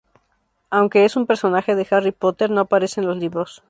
Aunque es un personaje de "Harry Potter", no aparece en los libros.